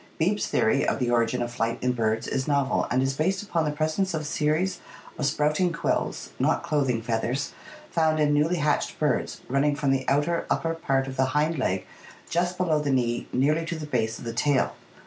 Beebe's theory of the origin of flight in birds is novel and is based upon the presence of series of sprouting quills (not clothing feath ers), found in newly hatched birds, running from the outer, upper part of the hind leg just below the knee nearly to the base of the tail.